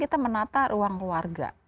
kita menata ruang keluarga